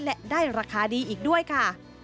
และได้ราคาดีอีกด้วยค่ะ